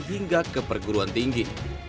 hingga ke perguruan tinggi